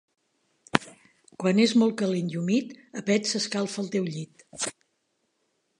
Quan és molt calent i humit, a pets s'escalfa el teu llit.